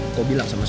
aku mau ke rumah